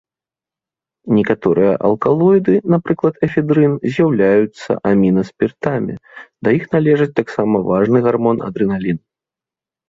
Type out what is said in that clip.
Некаторыя алкалоіды, напрыклад эфедрын, з'яўляюцца амінаспіртамі, да іх належыць таксама важны гармон адрэналін.